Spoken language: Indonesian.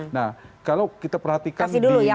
nah kalau kita perhatikan